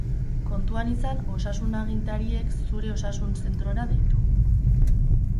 Kontuan izan osasun agintariek zure osasun-zentrora deitu.